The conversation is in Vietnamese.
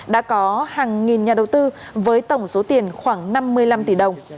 đã có hàng nghìn nhà đầu tư với tổng số tiền khoảng năm mươi năm tỷ đồng